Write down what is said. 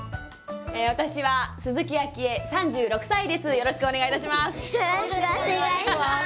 よろしくお願いします。